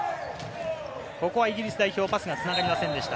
イギリス代表、パスが繋がりませんでした。